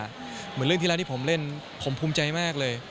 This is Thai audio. เหมือนเรื่องที่แล้วที่ผมเล่นผมภูมิใจมากเลย